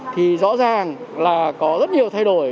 thì rõ ràng là có rất nhiều thay đổi